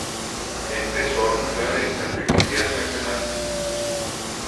Empezó a jugar en categorías regionales.